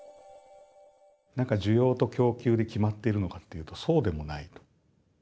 何か需要と供給で決まっているのかというとそうでもないというところ。